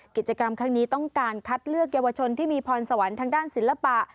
กิจกรรมครั้งนี้ต้องการคัดเลือกเยาวชนที่มีพรสวรรค์ทางด้านศิลปะ